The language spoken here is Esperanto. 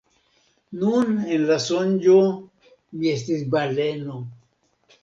Nun, en la sonĝo, mi estis baleno.